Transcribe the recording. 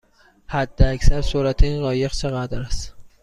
حداکثر سرعت این قایق چقدر است؟